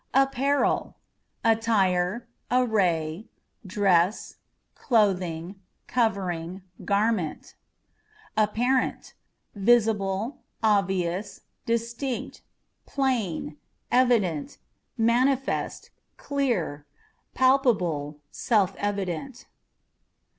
Apparel â€" attire, array, dress, clothing, covering, garment. Apparent â€" visible, obvious, distinct, plain, evident, manifest, clear, palpable, self evident.